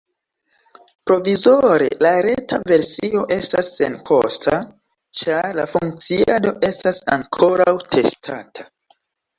Provizore la reta versio estas senkosta, ĉar la funkciado estas ankoraŭ testata.